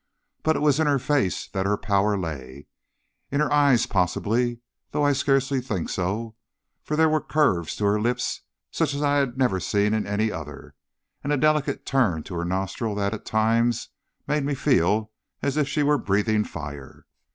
But it was in her face that her power lay; in her eyes possibly, though I scarcely think so, for there were curves to her lips such as I have never seen in any other, and a delicate turn to her nostril that at times made me feel as if she were breathing fire.